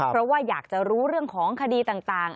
เพราะว่าอยากจะรู้เรื่องของคดีต่าง